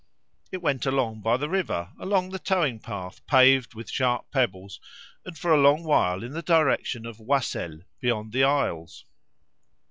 It went along by the river, along the towing path paved with sharp pebbles, and for a long while in the direction of Oyssel, beyond the isles.